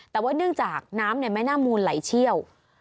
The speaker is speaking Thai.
แต่ว่าเนื่องจากน้ำในแม่น้ำมูลไหลเชี่ยว